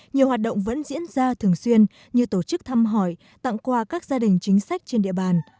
nhiều hoạt động vẫn diễn ra thường xuyên như tổ chức thăm hỏi tặng quà các gia đình chính sách trên địa bàn